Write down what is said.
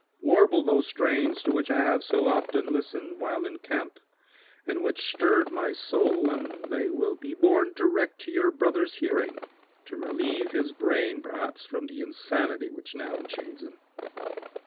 Warble those strains to which I have so often listened while in camp, and which stirred my soul, and they will be borne direct to your brother's hearing, to relieve his brain perhaps from the insanity which now enchains him!"